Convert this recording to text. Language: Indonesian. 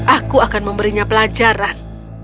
aku akan memberinya pelajaran